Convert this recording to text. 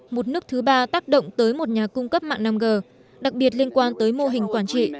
một nước thứ ba tác động tới một nhà cung cấp mạng năm g đặc biệt liên quan tới mô hình quản trị